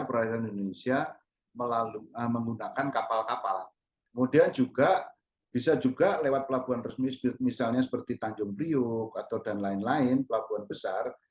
perairan indonesia melalui menggunakan kapal kapal kemudian juga bisa juga lewat pelabuhan resmi misalnya seperti tanjung priuk atau dan lain lain pelabuhan besar